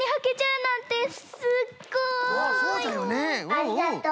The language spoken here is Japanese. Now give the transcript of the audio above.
ありがとう！